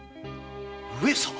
上様！